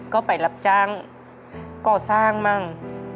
ก็ไปรับจ้างก่อสร้างมั่ง